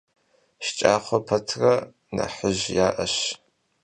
ШкӀахъуэ пэтрэ нэхъыжь яӀэщ.